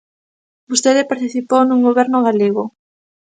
Vostede participou nun Goberno galego.